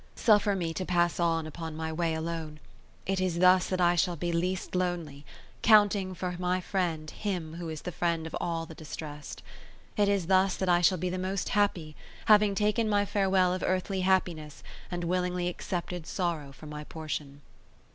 Suffer me to pass on upon my way alone; it is thus that I shall be least lonely, counting for my friend Him who is the friend of all the distressed; it is thus that I shall be the most happy, having taken my farewell of earthly happiness, and willingly accepted sorrow for my portion."